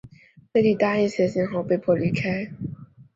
内蒂答应写信后被迫离开。